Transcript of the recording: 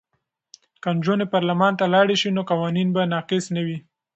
که نجونې پارلمان ته لاړې شي نو قوانین به ناقص نه وي.